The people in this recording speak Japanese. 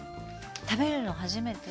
食べるの初めて？